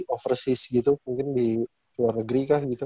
oversis gitu mungkin di luar negeri kah gitu